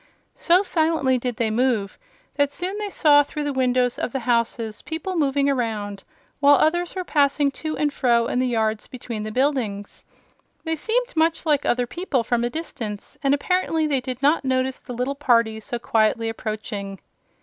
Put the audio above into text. So silently did they move that soon they saw through the windows of the houses, people moving around, while others were passing to and fro in the yards between the buildings. They seemed much like other people from a distance, and apparently they did not notice the little party so quietly approaching.